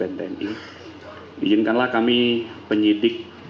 assalamualaikum wr wb